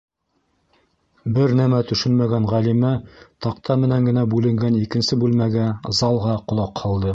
Бер нәмә төшөнмәгән Ғәлимә таҡта менән генә бүленгән икенсе бүлмәгә - залға - ҡолаҡ һалды.